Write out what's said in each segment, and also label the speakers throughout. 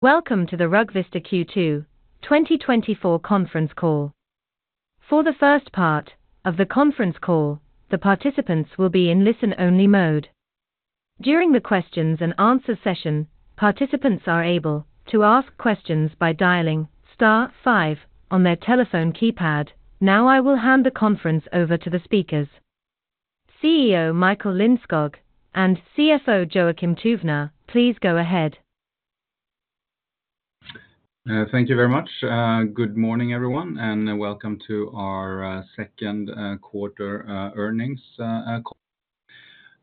Speaker 1: Welcome to the Rugvista Q2 2024 Conference Call. For the first part of the conference call, the participants will be in listen-only mode. During the questions and answer session, participants are able to ask questions by dialing star five on their telephone keypad. Now, I will hand the conference over to the speakers. CEO Michael Lindskog and CFO Joakim Tuvner, please go ahead.
Speaker 2: Thank you very much. Good morning, everyone, and welcome to our Second Quarter Earnings Call.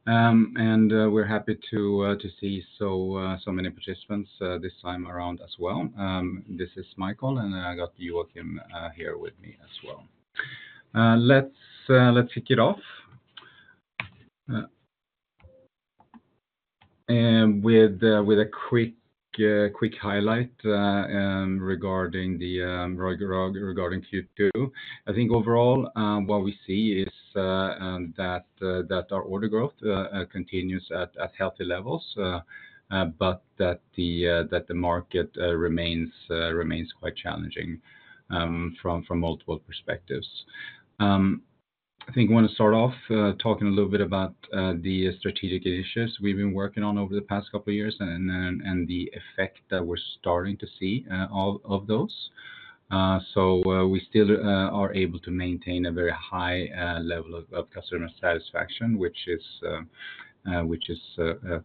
Speaker 2: And we're happy to see so many participants this time around as well. This is Michael, and I got Joakim here with me as well. Let's kick it off and with a quick highlight regarding Rugvista regarding Q2. I think overall, what we see is that our order growth continues at healthy levels, but that the market remains quite challenging from multiple perspectives. I think we want to start off talking a little bit about the strategic initiatives we've been working on over the past couple of years and then the effect that we're starting to see of those. So, we still are able to maintain a very high level of customer satisfaction, which is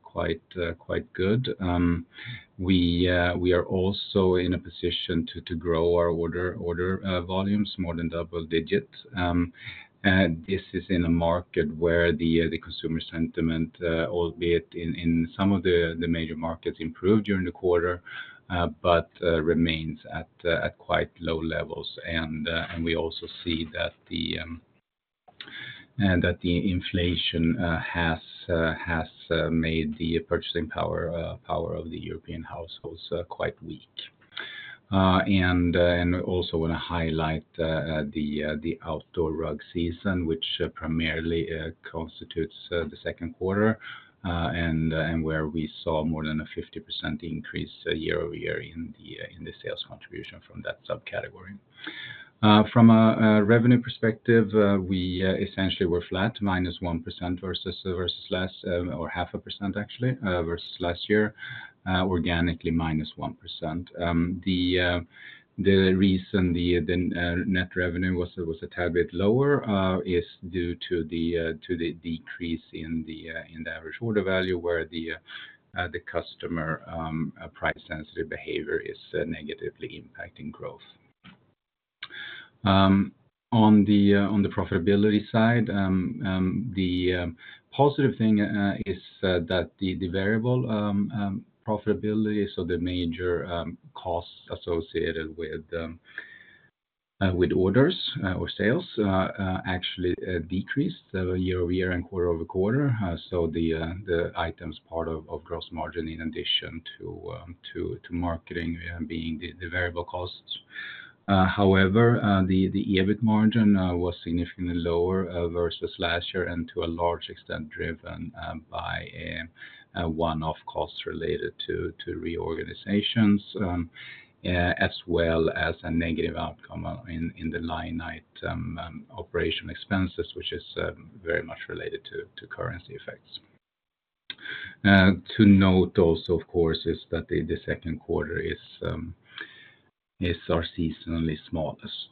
Speaker 2: quite good. We are also in a position to grow our order volumes more than double digits. And this is in a market where the consumer sentiment, albeit in some of the major markets improved during the quarter, but remains at quite low levels. And we also see that the inflation has made the purchasing power of the European households quite weak. And also want to highlight the outdoor rug season, which primarily constitutes the second quarter, and where we saw more than a 50% increase year-over-year in the sales contribution from that subcategory. From a revenue perspective, we essentially were flat, minus 1% versus last year or 0.5%, actually, versus last year, organically, -1%. The reason the net revenue was a tad bit lower is due to the decrease in the average order value, where the customer price-sensitive behavior is negatively impacting growth. On the profitability side, the positive thing is that the variable profitability, so the major costs associated with orders or sales actually decreased year-over-year and quarter-over-quarter. So the items part of gross margin in addition to marketing being the variable costs. However, the EBIT margin was significantly lower versus last year, and to a large extent, driven by a one-off cost related to reorganizations as well as a negative outcome in the line item operation expenses, which is very much related to currency effects. To note also, of course, is that the second quarter is our seasonally smallest.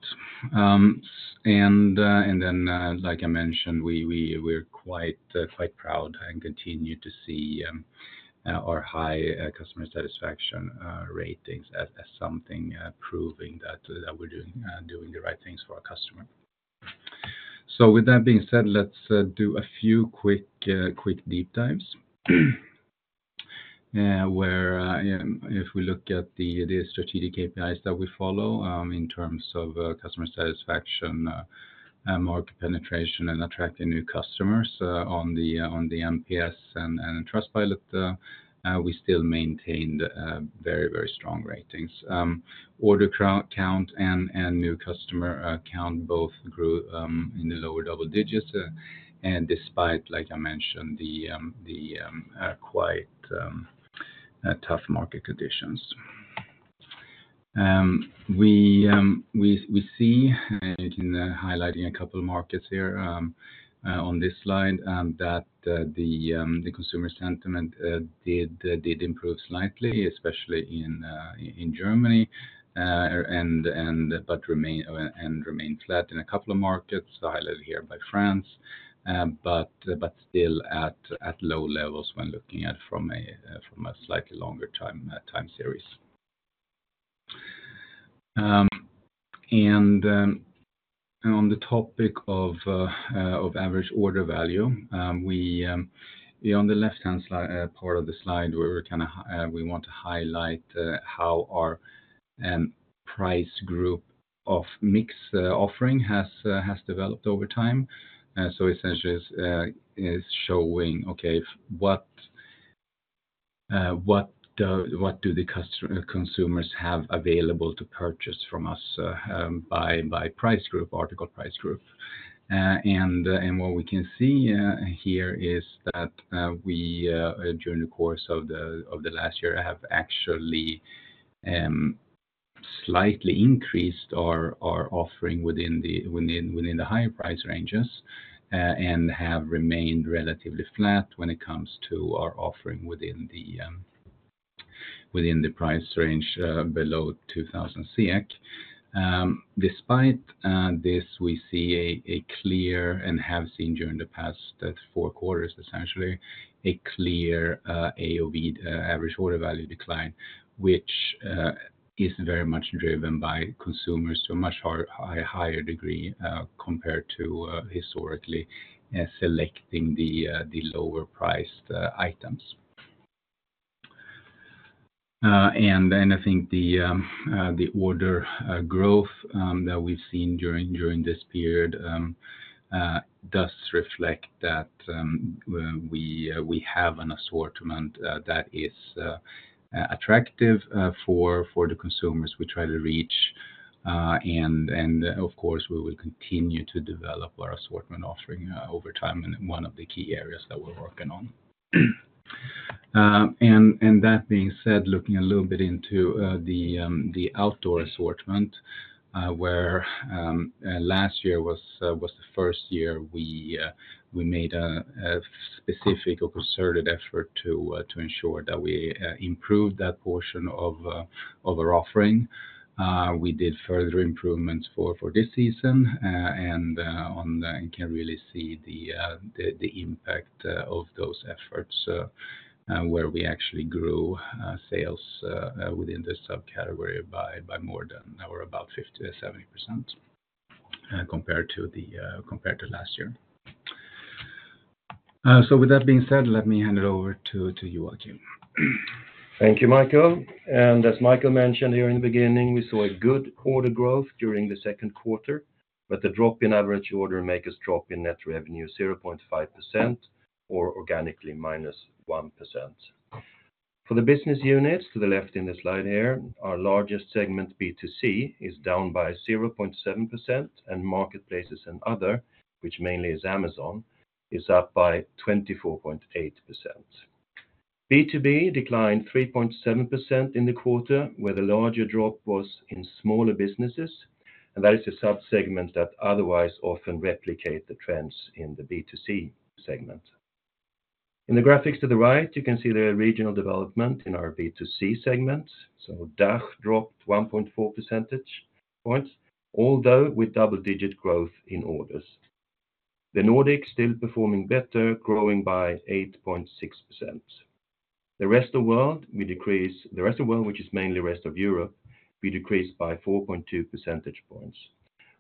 Speaker 2: And then, like I mentioned, we're quite proud and continue to see our high customer satisfaction ratings as something proving that we're doing the right things for our customer. So with that being said, let's do a few quick deep dives. If we look at the strategic KPIs that we follow, in terms of customer satisfaction, market penetration, and attracting new customers, on the NPS and Trustpilot, we still maintained very, very strong ratings. Order count and new customer count both grew in the lower double digits, and despite, like I mentioned, the quite tough market conditions. We see in highlighting a couple of markets here on this slide that the consumer sentiment did improve slightly, especially in Germany, and remained flat in a couple of markets, highlighted here by France, but still at low levels when looking at from a slightly longer time series. And on the topic of average order value, on the left-hand part of the slide, we want to highlight how our price group of mix offering has developed over time. So essentially, it's showing, okay, what do the consumers have available to purchase from us by price group, article price group? And what we can see here is that we during the course of the last year have actually slightly increased our offering within the higher price ranges, and have remained relatively flat when it comes to our offering within the price range below 2000. Despite this, we see a clear and have seen during the past four quarters, essentially, a clear AOV, average order value decline, which is very much driven by consumers to a much higher degree, compared to historically, selecting the lower priced items. And then I think the order growth that we've seen during this period does reflect that we have an assortment that is attractive for the consumers we try to reach. And of course, we will continue to develop our assortment offering over time, and one of the key areas that we're working on. And that being said, looking a little bit into the outdoor assortment, where last year was the first year we made a specific or concerted effort to ensure that we improved that portion of our offering. We did further improvements for this season, and you can really see the impact of those efforts, where we actually grew sales within this subcategory by more than, or about 50%-70%, compared to last year. So with that being said, let me hand it over to you, Joakim.
Speaker 3: Thank you, Michael. As Michael mentioned here in the beginning, we saw a good order growth during the second quarter, but the drop in average order make us drop in net revenue 0.5%, or organically, -1%. For the business units, to the left in the slide here, our largest segment, B2C, is down by 0.7%, and marketplaces and other, which mainly is Amazon, is up by 24.8%. B2B declined 3.7% in the quarter, where the larger drop was in smaller businesses, and that is a sub-segment that otherwise often replicate the trends in the B2C segment. In the graphics to the right, you can see the regional development in our B2C segment. DACH dropped 1.4 percentage points, although with double-digit growth in orders. The Nordics still performing better, growing by 8.6%. The rest of world, which is mainly rest of Europe, we decreased by 4.2 percentage points.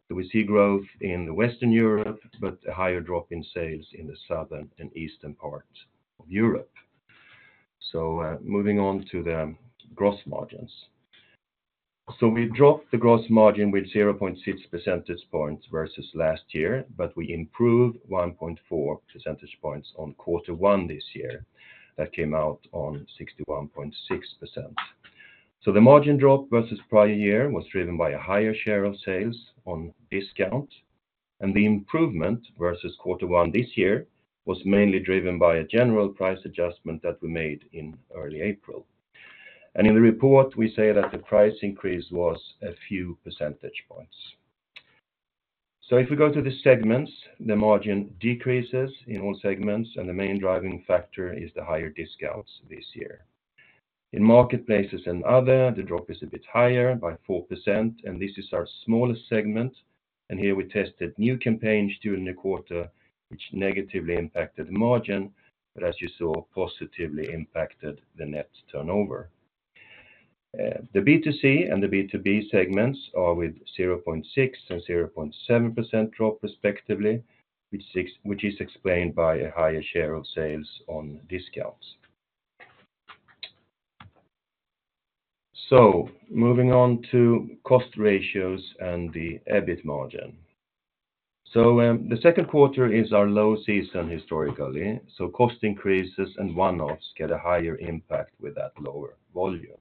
Speaker 3: So we see growth in the Western Europe, but a higher drop in sales in the Southern and Eastern parts of Europe. So, moving on to the gross margins. So we dropped the gross margin with 0.6 percentage points versus last year, but we improved 1.4 percentage points on quarter one this year. That came out on 61.6%. So the margin drop versus prior year was driven by a higher share of sales on discount, and the improvement versus quarter one this year was mainly driven by a general price adjustment that we made in early April. In the report, we say that the price increase was a few percentage points. If we go to the segments, the margin decreases in all segments, and the main driving factor is the higher discounts this year. In marketplaces and other, the drop is a bit higher by 4%, and this is our smallest segment. And here we tested new campaigns during the quarter, which negatively impacted the margin, but as you saw, positively impacted the net turnover. The B2C and the B2B segments are with 0.6% and 0.7% drop, respectively, which is explained by a higher share of sales on discounts. Moving on to cost ratios and the EBIT margin. The second quarter is our low season historically, so cost increases and one-offs get a higher impact with that lower volume.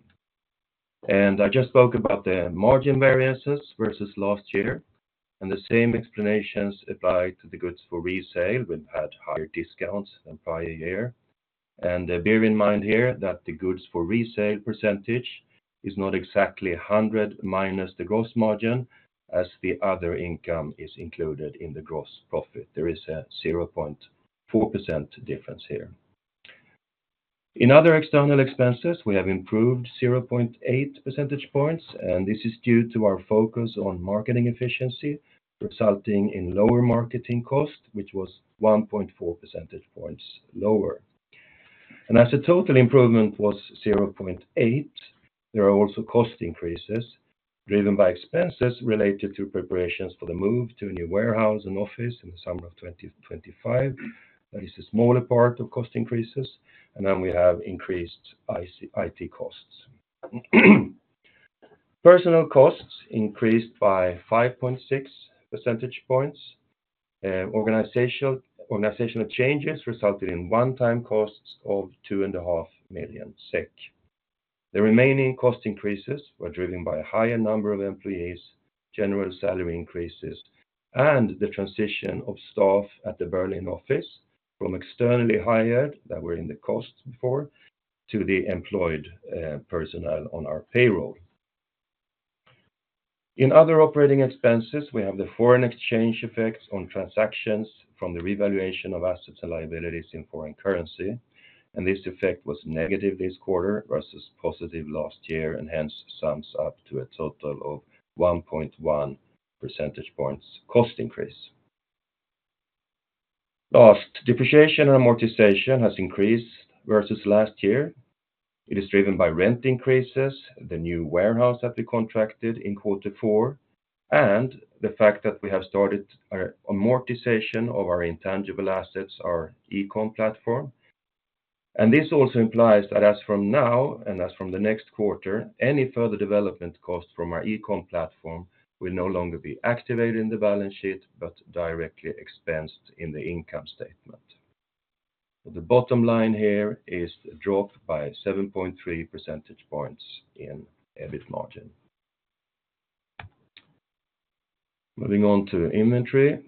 Speaker 3: And I just spoke about the margin variances versus last year, and the same explanations apply to the goods for resale. We've had higher discounts than prior year. And bear in mind here that the goods for resale percentage is not exactly 100 minus the gross margin, as the other income is included in the gross profit. There is a 0.4% difference here. In other external expenses, we have improved 0.8 percentage points, and this is due to our focus on marketing efficiency, resulting in lower marketing cost, which was 1.4 percentage points lower. And as the total improvement was 0.8, there are also cost increases driven by expenses related to preparations for the move to a new warehouse and office in the summer of 2025. That is a smaller part of cost increases, and then we have increased IT costs. Personnel costs increased by 5.6 percentage points. Organizational changes resulted in one-time costs of 2.5 million SEK. The remaining cost increases were driven by a higher number of employees, general salary increases, and the transition of staff at the Berlin office from externally hired, that were in the cost before, to employed personnel on our payroll. In other operating expenses, we have the foreign exchange effects on transactions from the revaluation of assets and liabilities in foreign currency, and this effect was negative this quarter versus positive last year, and hence sums up to a total of 1.1 percentage points cost increase. Last, depreciation and amortization has increased versus last year. It is driven by rent increases, the new warehouse that we contracted in quarter four, and the fact that we have started our amortization of our intangible assets, our e-com platform. This also implies that as from now, and as from the next quarter, any further development cost from our e-com platform will no longer be activated in the balance sheet, but directly expensed in the income statement. The bottom line here is a drop by 7.3 percentage points in EBIT margin. Moving on to inventory.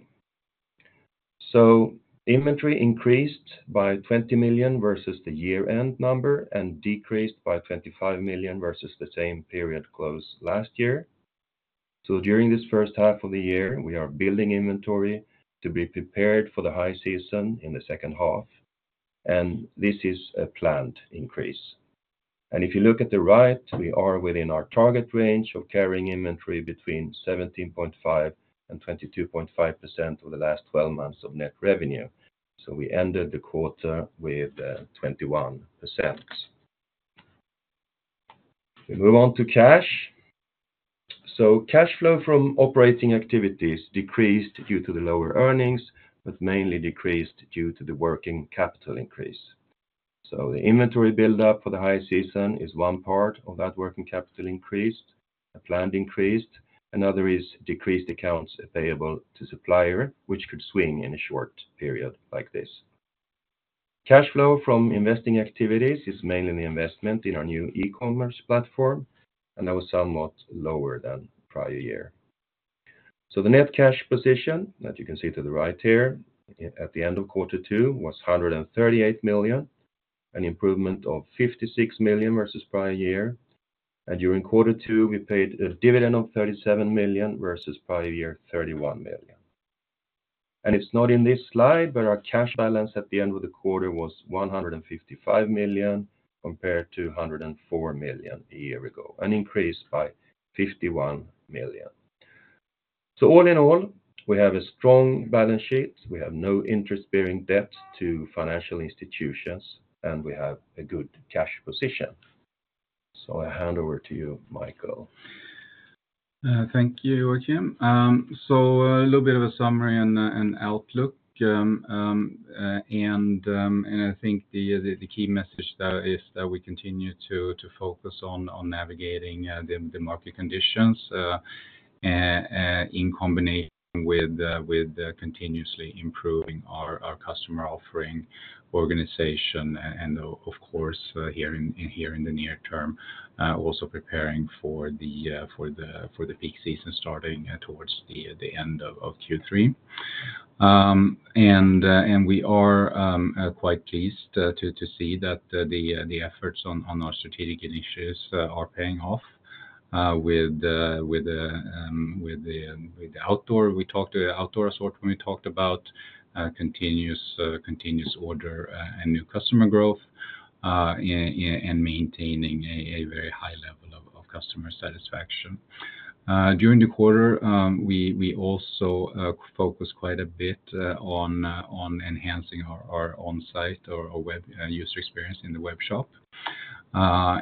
Speaker 3: Inventory increased by 20 million versus the year-end number, and decreased by 25 million versus the same period close last year. During this first half of the year, we are building inventory to be prepared for the high season in the second half, and this is a planned increase. If you look at the right, we are within our target range of carrying inventory between 17.5% and 22.5% over the last 12 months of net revenue. We ended the quarter with 21%. We move on to cash. Cash flow from operating activities decreased due to the lower earnings, but mainly decreased due to the working capital increase. The inventory buildup for the high season is one part of that working capital increase, a planned increase. Another is decreased accounts payable to supplier, which could swing in a short period like this. Cash flow from investing activities is mainly the investment in our new e-commerce platform, and that was somewhat lower than prior year. So the net cash position, that you can see to the right here, at the end of quarter two, was 138 million, an improvement of 56 million versus prior year. And during quarter two, we paid a dividend of 37 million versus prior year, 31 million. And it's not in this slide, but our cash balance at the end of the quarter was 155 million, compared to 104 million a year ago, an increase by 51 million. So all in all, we have a strong balance sheet, we have no interest-bearing debt to financial institutions, and we have a good cash position. So I hand over to you, Michael.
Speaker 2: Thank you, Joakim. So a little bit of a summary and outlook. And I think the key message there is that we continue to focus on navigating the market conditions in combination with continuously improving our customer offering organization, and of course, here in the near term, also preparing for the peak season starting towards the end of Q3. And we are quite pleased to see that the efforts on our strategic initiatives are paying off with the outdoor. We talked about outdoor, as we talked about, continuous order and new customer growth and maintaining a very high level of customer satisfaction. During the quarter, we also focused quite a bit on enhancing our on-site or web user experience in the web shop,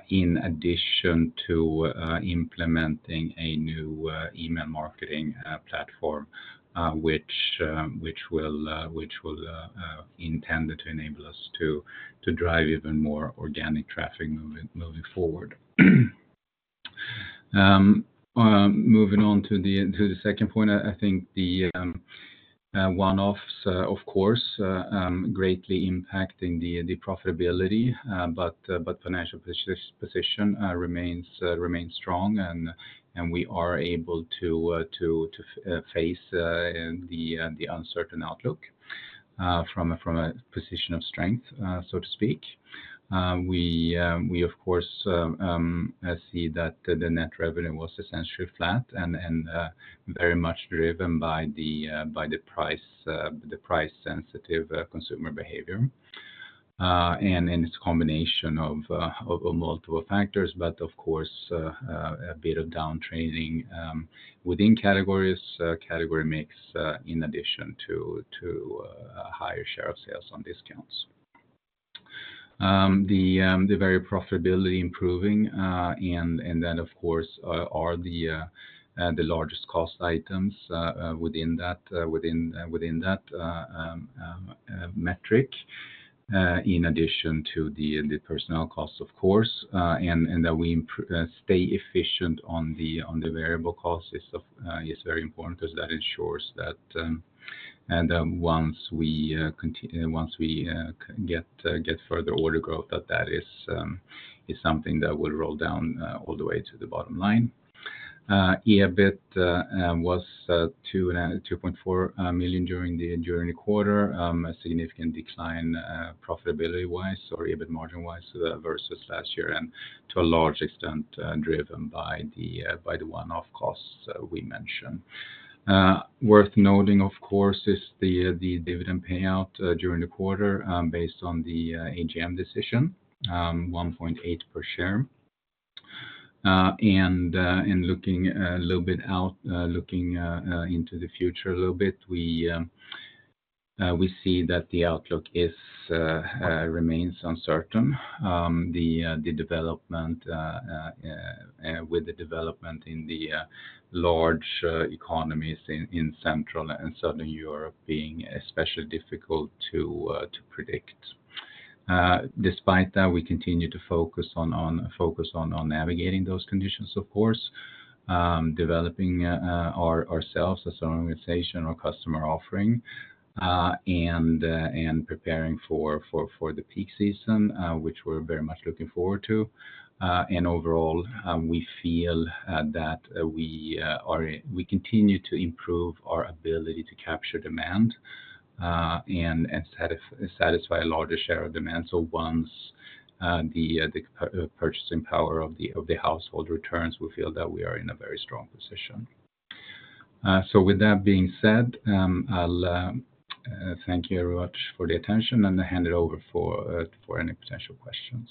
Speaker 2: in addition to implementing a new email marketing platform, which is intended to enable us to drive even more organic traffic moving forward. Moving on to the second point, I think the one-offs, of course, greatly impacting the profitability, but financial position remains strong, and we are able to face the uncertain outlook from a position of strength, so to speak. We of course see that the net revenue was essentially flat and very much driven by the price-sensitive consumer behavior. And it's a combination of multiple factors, but of course a bit of downtrending within categories, category mix, in addition to a higher share of sales on discounts. The variable profitability improving, and then, of course, are the largest cost items within that, within that metric, in addition to the personnel costs, of course, and that we stay efficient on the variable costs is very important because that ensures that. And once we get further order growth, that is something that will roll down all the way to the bottom line. EBIT was 2.4 million during the quarter. A significant decline, profitability-wise or EBIT margin-wise, versus last year, and to a large extent, driven by the one-off costs we mentioned. Worth noting, of course, is the dividend payout during the quarter, based on the AGM decision, 1.8 per share. And, in looking a little bit out, looking into the future a little bit, we see that the outlook remains uncertain. The development in the large economies in Central and Southern Europe being especially difficult to predict Despite that, we continue to focus on navigating those conditions, of course, developing ourselves as an organization, our customer offering, and preparing for the peak season, which we're very much looking forward to. And overall, we feel that we are. We continue to improve our ability to capture demand, and satisfy a larger share of demand. So once the purchasing power of the household returns, we feel that we are in a very strong position. So with that being said, I'll thank you very much for the attention and hand it over for any potential questions.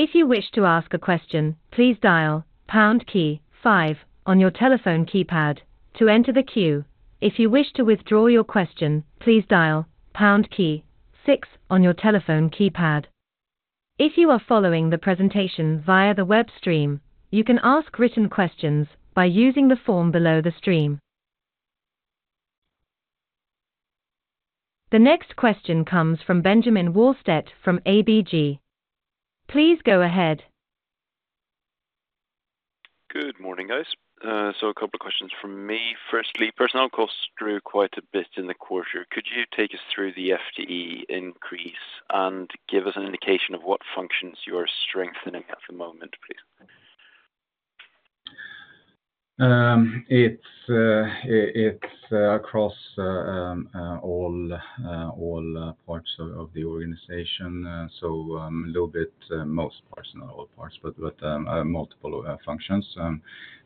Speaker 1: If you wish to ask a question, please dial pound key five on your telephone keypad to enter the queue. If you wish to withdraw your question, please dial pound key six on your telephone keypad. If you are following the presentation via the web stream, you can ask written questions by using the form below the stream. The next question comes from Benjamin Wahlstedt from ABG. Please go ahead.
Speaker 4: Good morning, guys. So a couple of questions from me. Firstly, personnel costs grew quite a bit in the quarter. Could you take us through the FTE increase and give us an indication of what functions you are strengthening at the moment, please?
Speaker 2: It's across all parts of the organization. So, a little bit most parts, not all parts, but multiple functions. And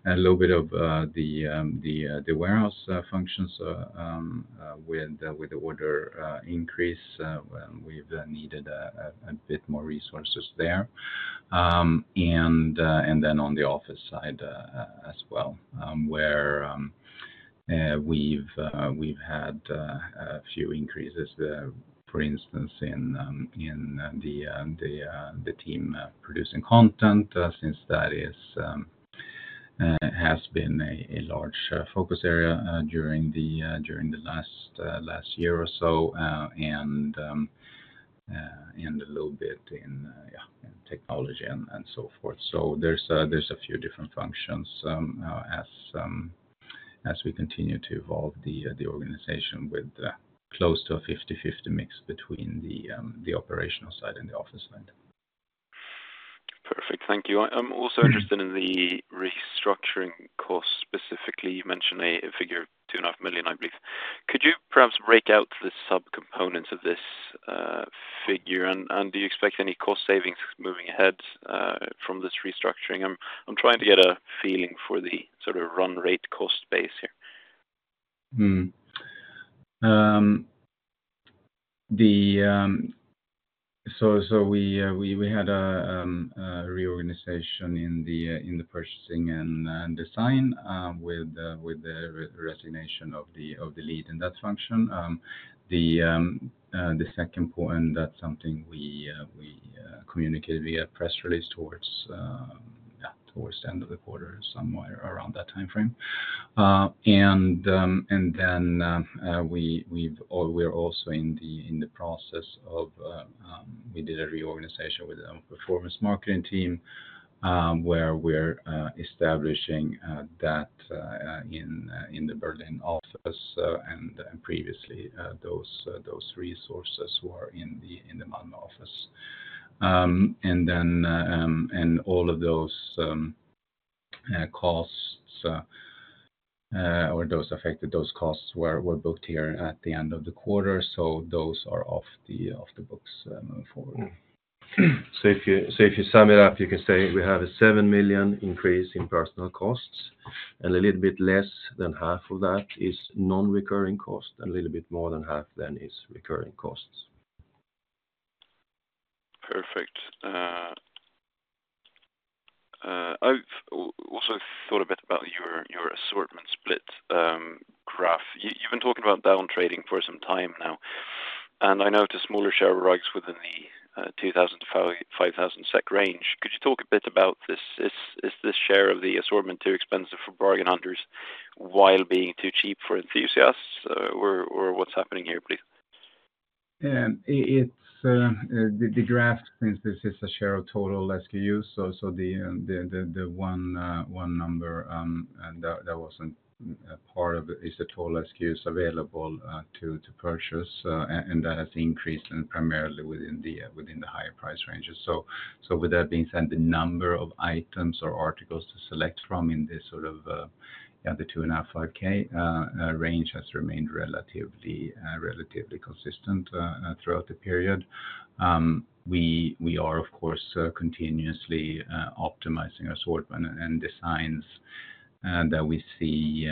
Speaker 2: a little bit of the warehouse functions with the order increase, we've needed a bit more resources there. And then on the office side as well, where we've had a few increases, for instance, in the team producing content, since that has been a large focus area during the last year or so, and a little bit, yeah, in technology and so forth. So there's a few different functions as we continue to evolve the organization with close to a 50/50 mix between the operational side and the office side.
Speaker 4: Perfect. Thank you. I also interested in the restructuring cost, specifically, you mentioned a figure of 2.5 million, I believe. Could you perhaps break out the subcomponents of this figure? And do you expect any cost savings moving ahead from this restructuring? I'm trying to get a feeling for the sort of run rate cost base here.
Speaker 2: So we had a reorganization in the purchasing and design with the resignation of the lead in that function. The second point, that's something we communicated via press release towards the end of the quarter, somewhere around that timeframe. And then we're also in the process of, we did a reorganization with our performance marketing team, where we're establishing that in the Berlin office, and previously those resources were in the Malmö office. And then, all of those costs, or those affected, those costs were booked here at the end of the quarter, so those are off the books moving forward. So if you sum it up, you can say we have a 7 million increase in personnel costs, and a little bit less than half of that is non-recurring costs, and a little bit more than half then is recurring costs.
Speaker 4: Perfect. I've also thought a bit about your assortment split graph. You've been talking about downtrading for some time now, and I know it's a smaller share of rugs within the 2000-5000 SEK range. Could you talk a bit about this? Is this share of the assortment too expensive for bargain hunters, while being too cheap for enthusiasts? Or what's happening here, please?
Speaker 2: And it's the draft, since this is a share of total SKUs, so the one number, and that wasn't a part of it, is the total SKUs available to purchase, and that has increased and primarily within the higher price ranges. So, with that being said, the number of items or articles to select from in this sort of, yeah, the 2,500-5,000 range has remained relatively consistent throughout the period. We are, of course, continuously optimizing assortment and designs that we see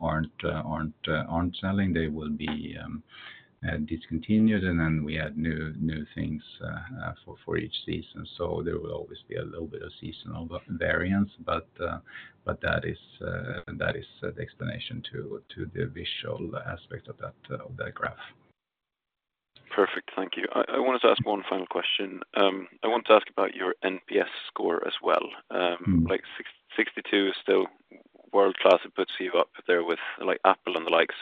Speaker 2: aren't selling. They will be discontinued, and then we add new things for each season. So there will always be a little bit of seasonal variance, but that is the explanation to the visual aspect of that graph.
Speaker 4: Perfect. Thank you. I, I wanted to ask one final question. I want to ask about your NPS score as well. Like 62 is still world-class. It puts you up there with, like, Apple and the likes.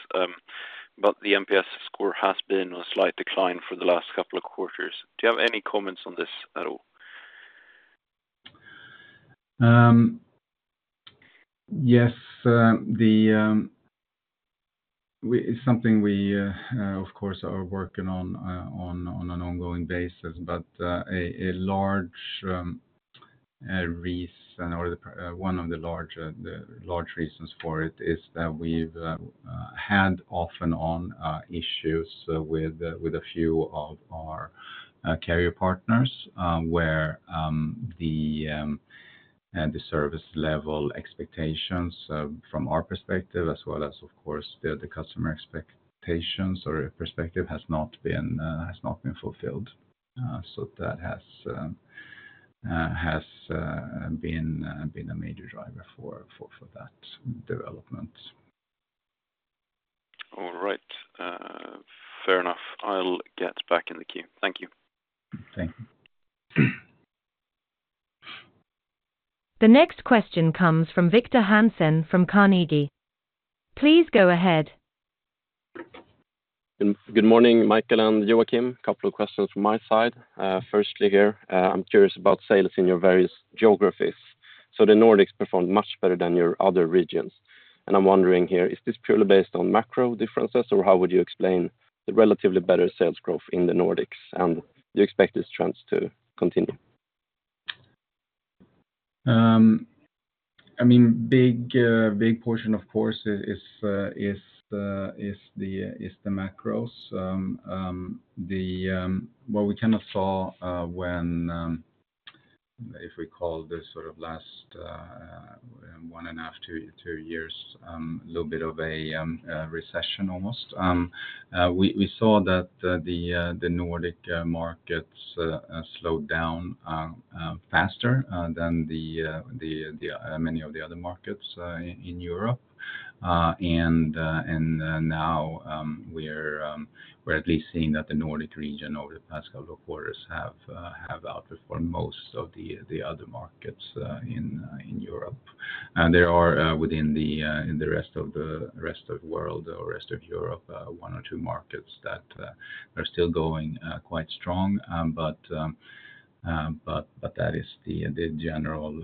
Speaker 4: But the NPS score has been on a slight decline for the last couple of quarters. Do you have any comments on this at all?
Speaker 2: Yes. We, it's something we, of course, are working on, on an ongoing basis, but, a large reason or the one of the large reasons for it, is that we've had off and on issues with a few of our carrier partners, where the service level expectations from our perspective, as well as, of course, the customer expectations or perspective has not been fulfilled. So that has been a major driver for that development.
Speaker 4: All right. Fair enough. I'll get back in the queue. Thank you.
Speaker 2: Thank you.
Speaker 1: The next question comes from Victor Hansen from Carnegie. Please go ahead.
Speaker 5: Good morning, Michael and Joakim. Couple of questions from my side. Firstly here, I'm curious about sales in your various geographies. So the Nordics performed much better than your other regions, and I'm wondering here, is this purely based on macro differences, or how would you explain the relatively better sales growth in the Nordics, and do you expect this trends to continue?
Speaker 2: I mean, a big portion, of course, is the macros. What we kind of saw, when if we recall the sort of last 1.5 to 2 years, a little bit of a recession almost. We saw that the Nordic markets slowed down faster than many of the other markets in Europe. And now we're at least seeing that the Nordic region over the past couple of quarters have outperformed most of the other markets in Europe. There are, within the rest of the world or rest of Europe, one or two markets that are still going quite strong. But that is the general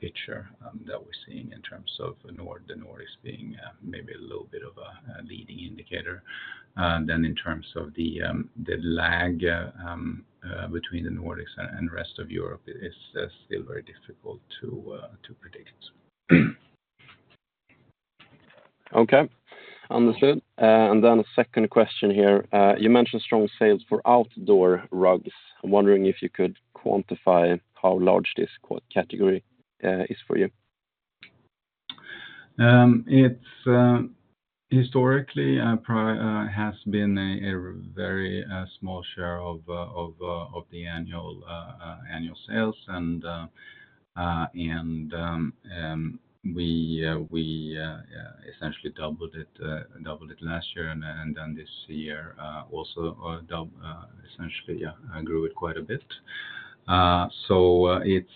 Speaker 2: picture that we're seeing in terms of the Nordics being maybe a little bit of a leading indicator. In terms of the lag between the Nordics and rest of Europe, it is still very difficult to predict.
Speaker 5: Okay. Understood. And then the second question here: You mentioned strong sales for outdoor rugs. I'm wondering if you could quantify how large this category is for you.
Speaker 2: It's historically has been a very small share of the annual sales, and we essentially doubled it, doubled it last year, and then this year also essentially yeah grew it quite a bit. So it's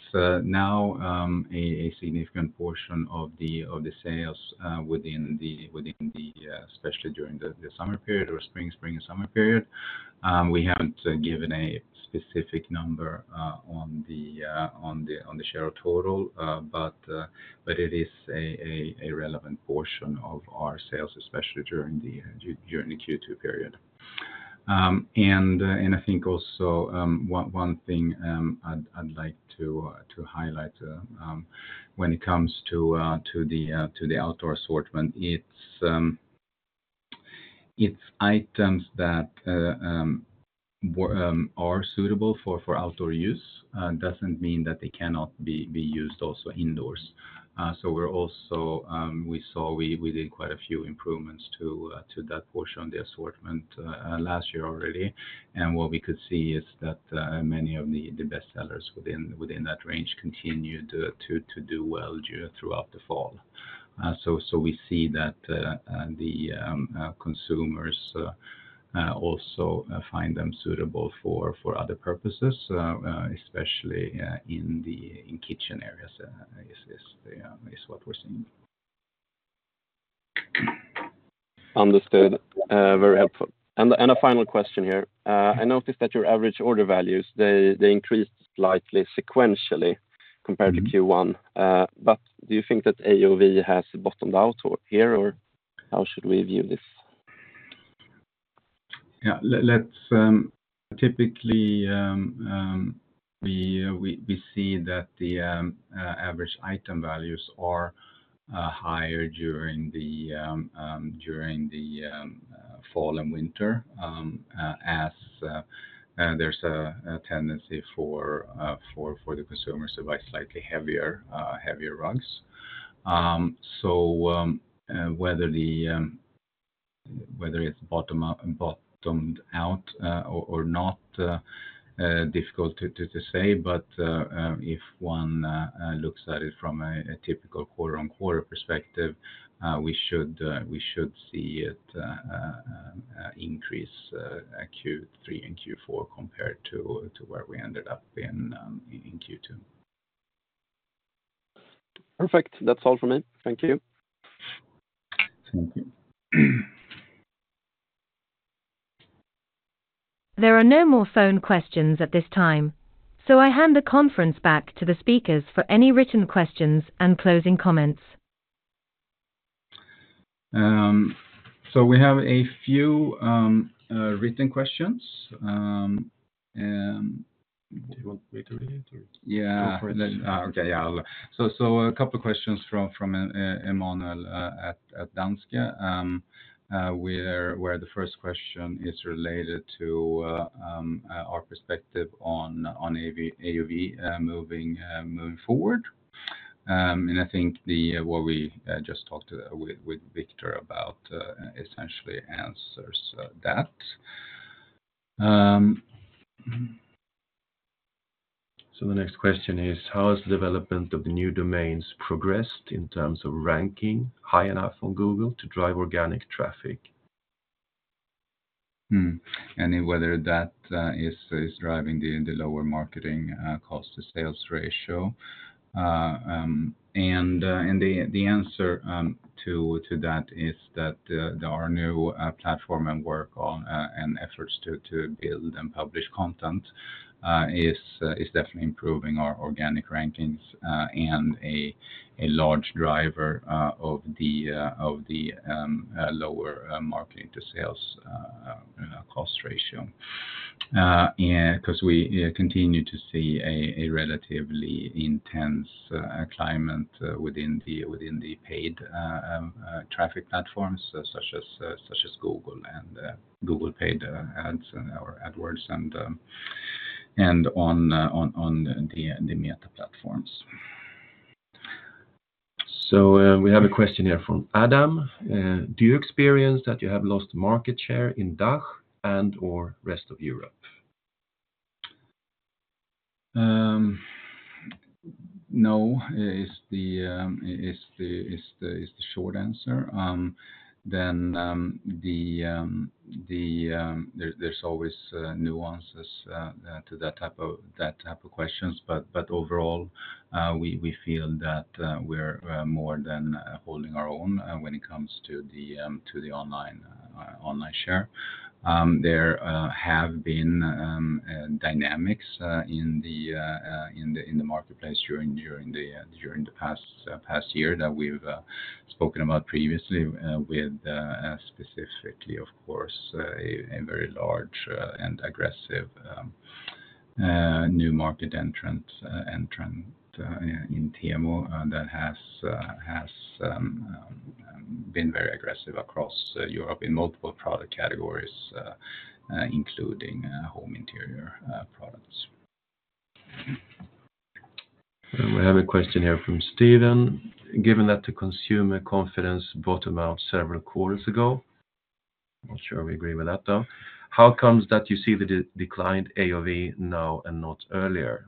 Speaker 2: now a significant portion of the sales within the especially during the summer period or spring and summer period. We haven't given a specific number on the share of total, but it is a relevant portion of our sales, especially during the Q2 period. And I think also one thing I'd like to highlight when it comes to the outdoor assortment. It's items that are suitable for outdoor use. It doesn't mean that they cannot be used also indoors. So we also did quite a few improvements to that portion on the assortment last year already. And what we could see is that many of the best sellers within that range continued to do well throughout the fall. So we see that the consumers also find them suitable for other purposes, especially in kitchen areas, is what we're seeing.
Speaker 5: Understood. Very helpful. And a final question here. I noticed that your average order values increased slightly sequentially compared to Q1. But do you think that AOV has bottomed out or here, or how should we view this?
Speaker 2: Yeah. Typically, we see that the average item values are higher during the fall and winter as there's a tendency for the consumers to buy slightly heavier rugs. So, whether it's bottomed out or not, difficult to say, but if one looks at it from a typical quarter-on-quarter perspective, we should see it increase at Q3 and Q4 compared to where we ended up in Q2.
Speaker 5: Perfect. That's all for me. Thank you.
Speaker 2: Thank you.
Speaker 1: There are no more phone questions at this time, so I hand the conference back to the speakers for any written questions and closing comments.
Speaker 2: So we have a few written questions.
Speaker 3: Do you want me to read it or?
Speaker 2: Yeah.
Speaker 3: Go for it.
Speaker 2: Okay. Yeah, I'll. So a couple of questions from Emil at Danske. The first question is related to our perspective on AOV moving forward. And I think what we just talked with Victor about essentially answers that. So the next question is: How has development of the new domains progressed in terms of ranking high enough on Google to drive organic traffic? And then whether that is driving the lower marketing cost to sales ratio? The answer to that is that there are new platform and work on and efforts to build and publish content is definitely improving our organic rankings, and a large driver of the lower marketing-to-sales cost ratio. Yeah, 'cause we continue to see a relatively intense climate within the paid traffic platforms, such as Google and Google paid ads and our AdWords and on the Meta platforms.
Speaker 3: We have a question here from Adam: Do you experience that you have lost market share in DACH and/or rest of Europe?
Speaker 2: No is the short answer. Then, there’s always nuances to that type of questions, but overall, we feel that we’re more than holding our own when it comes to the online share. There have been dynamics in the marketplace during the past year that we’ve spoken about previously, with specifically, of course, a very large and aggressive new market entrant in Temu that has been very aggressive across Europe in multiple product categories, including home interior products.
Speaker 3: We have a question here from Steven: Given that the consumer confidence bottomed out several quarters ago, not sure we agree with that, though, how comes that you see the declined AOV now and not earlier?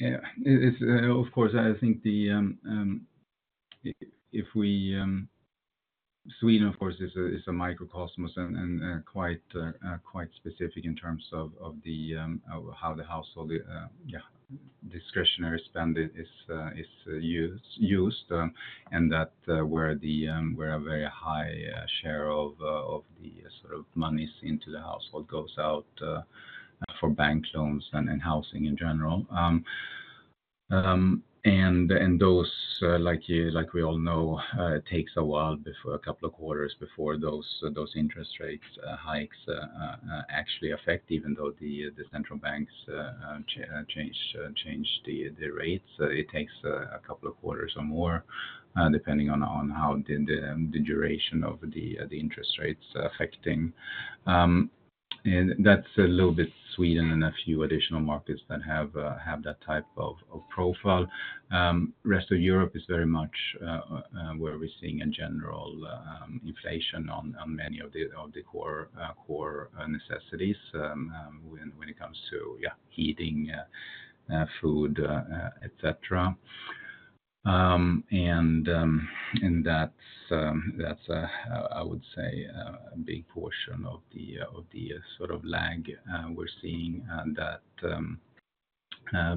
Speaker 2: Yeah, it is, of course, I think Sweden, of course, is a microcosm and quite specific in terms of how the household, yeah, discretionary spending is used, and that where a very high share of the sort of monies into the household goes out for bank loans and housing in general. And those, like you, like we all know, takes a while before a couple of quarters before those interest rates hikes actually affect, even though the central banks change the rates. It takes a couple of quarters or more, depending on how the duration of the interest rate's affecting. And that's a little bit Sweden and a few additional markets that have that type of profile. Rest of Europe is very much where we're seeing in general inflation on many of the core necessities when it comes to, yeah, heating, food, et cetera. And that's, I would say, a big portion of the sort of lag we're seeing, that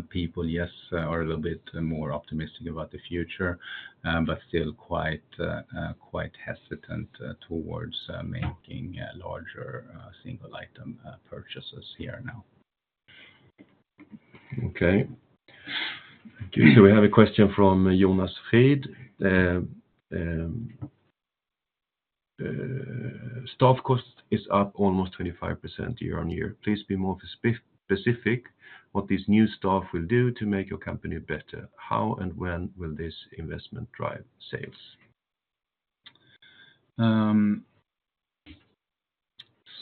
Speaker 2: people, yes, are a little bit more optimistic about the future, but still quite, quite hesitant towards making larger single item purchases here now.
Speaker 3: Okay. Thank you. So we have a question from Jonas Reed. Staff cost is up almost 25% year-on-year. Please be more specific, what these new staff will do to make your company better? How and when will this investment drive sales?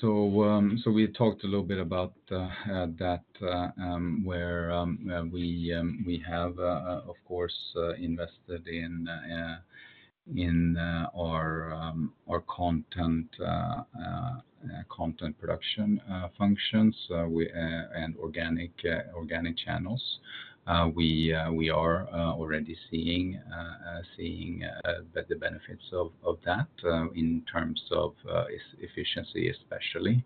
Speaker 2: So we talked a little bit about that, where we have, of course, invested in our content production functions and organic channels. We are already seeing the benefits of that in terms of efficiency, especially.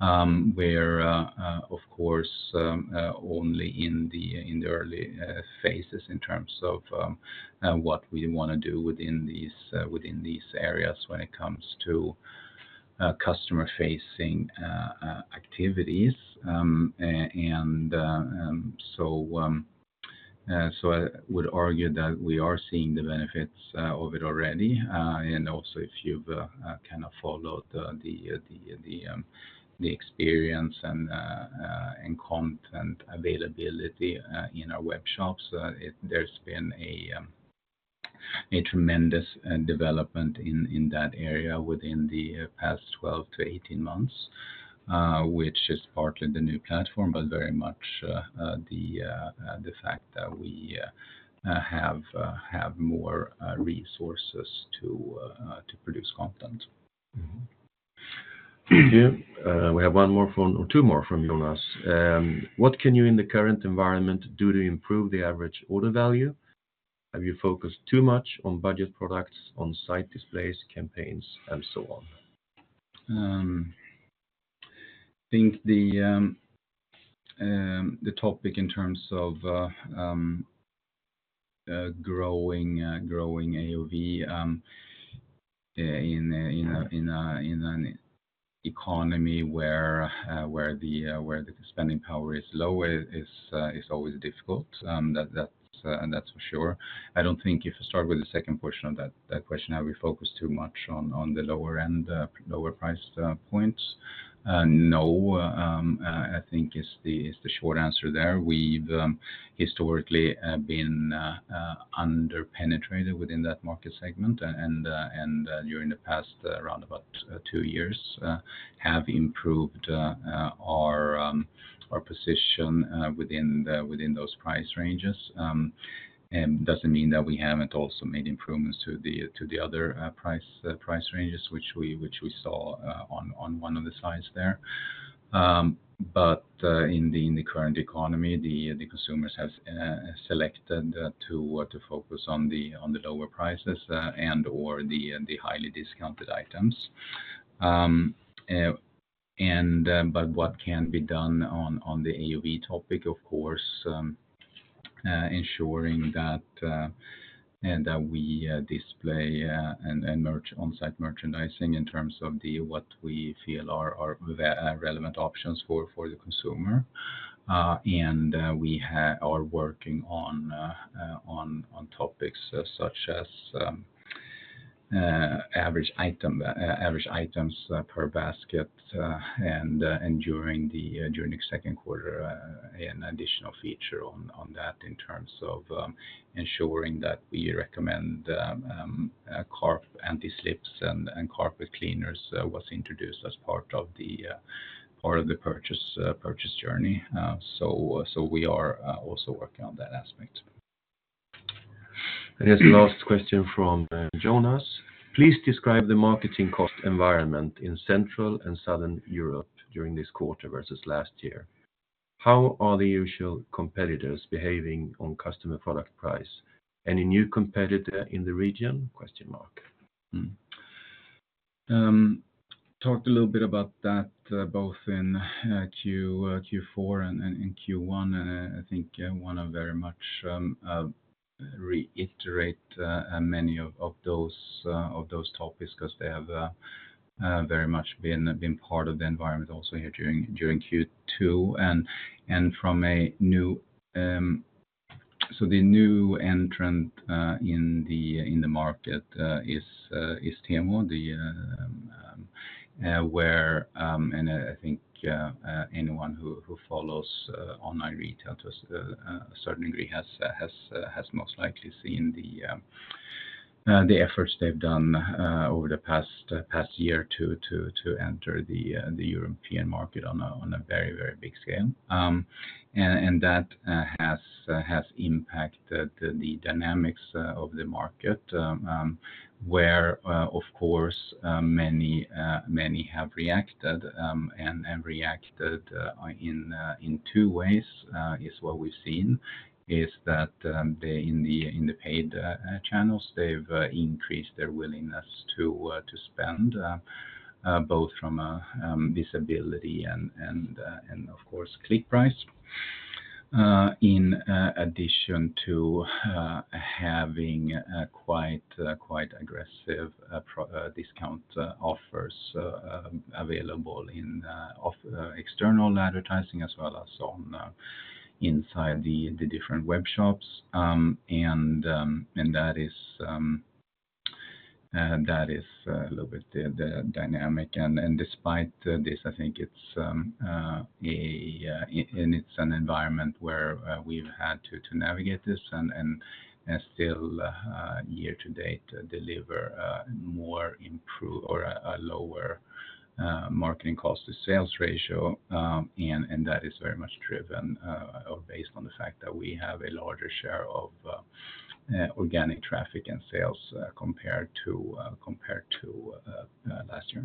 Speaker 2: We're, of course, only in the early phases in terms of what we wanna do within these areas when it comes to customer-facing activities. And so I would argue that we are seeing the benefits of it already. And also, if you've kind of followed the experience and content availability in our web shops, there's been a tremendous development in that area within the past 12-18 months, which is partly the new platform, but very much the fact that we have more resources to produce content.
Speaker 3: We have one more from or two more from Jonas. What can you, in the current environment, do to improve the average order value? Have you focused too much on budget products, on-site displays, campaigns, and so on?
Speaker 2: I think the topic in terms of growing AOV in an economy where the spending power is low is always difficult, and that's for sure. I don't think. If I start with the second portion of that question, have we focused too much on the lower end lower price points? No. I think is the short answer there. We've historically been under penetrated within that market segment, and during the past around about two years have improved our position within those price ranges. And doesn't mean that we haven't also made improvements to the other price ranges, which we saw on one of the slides there. But in the current economy, the consumers have selected to focus on the lower prices and or the highly discounted items. But what can be done on the AOV topic, of course, ensuring that we display and merch on-site merchandising in terms of what we feel are relevant options for the consumer. And we are working on topics such as average items per basket, and during the second quarter, an additional feature on that in terms of ensuring that we recommend anti-slips and carpet cleaners was introduced as part of the purchase journey. So we are also working on that aspect.
Speaker 3: Here's the last question from Jonas: Please describe the marketing cost environment in Central and Southern Europe during this quarter versus last year. How are the usual competitors behaving on customer product price? Any new competitor in the region?
Speaker 2: Talked a little bit about that both in Q4 and in Q1, and I think I wanna very much reiterate many of those topics, 'cause they have very much been part of the environment also here during Q2, and from a new, so the new entrant in the market is Temu, and I think anyone who follows online retail to a certain degree has most likely seen the efforts they've done over the past year to enter the European market on a very, very big scale. And that has impacted the dynamics of the market, where of course many have reacted and reacted in two ways is what we've seen is that in the paid channels they've increased their willingness to spend both from a visibility and of course click price. In addition to having quite aggressive promo discount offers available in external advertising as well as inside the different web shops. And that is a little bit the dynamic. Despite this, I think it's an environment where we've had to navigate this and still year-to-date deliver a lower marketing cost to sales ratio. And that is very much driven or based on the fact that we have a larger share of organic traffic and sales compared to last year.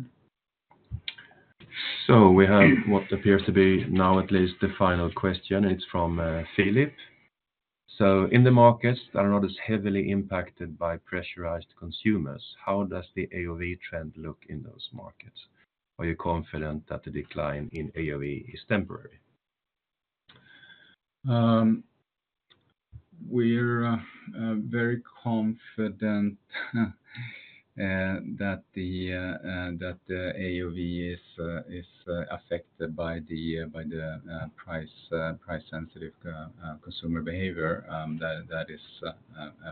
Speaker 3: So we have what appears to be, now at least, the final question. It's from Philip: So in the markets that are not as heavily impacted by pressurized consumers, how does the AOV trend look in those markets? Are you confident that the decline in AOV is temporary?
Speaker 2: We're very confident that the AOV is affected by the price-sensitive consumer behavior, that is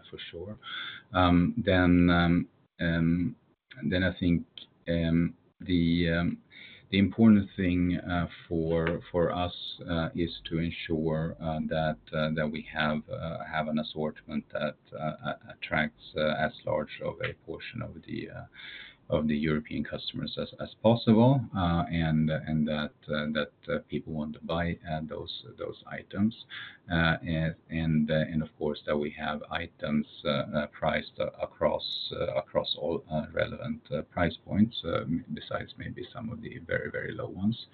Speaker 2: for sure. Then I think the important thing for us is to ensure that we have an assortment that attracts as large of a portion of the European customers as possible, and that people want to buy those items. And of course, that we have items priced across all relevant price points, besides maybe some of the very, very low ones.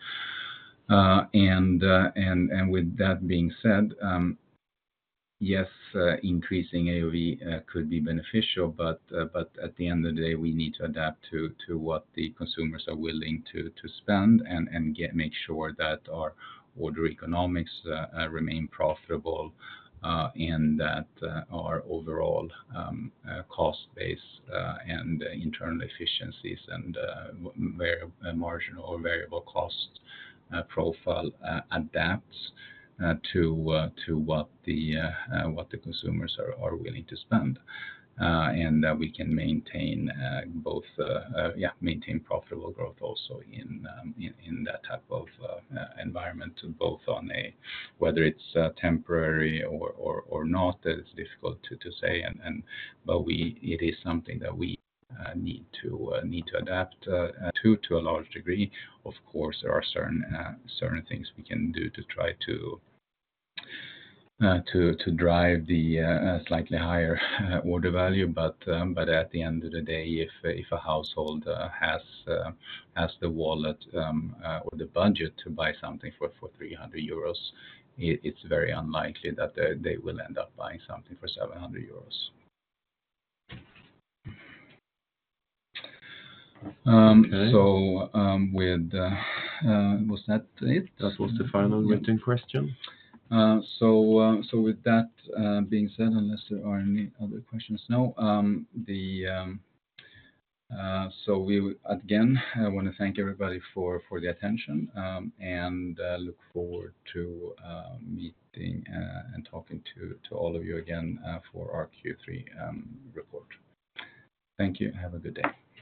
Speaker 2: And with that being said, yes, increasing AOV could be beneficial, but at the end of the day, we need to adapt to what the consumers are willing to spend and make sure that our order economics remain profitable and that our overall cost base and internal efficiencies and margin or variable cost profile adapts to what the consumers are willing to spend. And that we can maintain profitable growth also in that type of environment, whether it's temporary or not, that is difficult to say, but it is something that we need to adapt to a large degree. Of course, there are certain things we can do to try to drive the slightly higher order value, but at the end of the day, if a household has the wallet or the budget to buy something for 300 euros, it's very unlikely that they will end up buying something for 700 euros. So, with that, was that it?
Speaker 3: That was the final written question.
Speaker 2: So, with that being said, unless there are any other questions, again, I want to thank everybody for the attention, and look forward to meeting and talking to all of you again for our Q3 report. Thank you, and have a good day.